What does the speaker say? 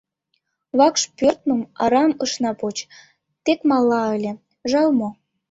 — Вакш пӧртым арам ышна поч, тек мала ыле, жал мо.